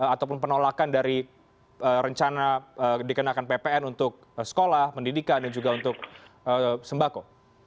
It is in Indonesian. ataupun penolakan dari rencana dikenakan ppn untuk sekolah pendidikan dan juga untuk sembako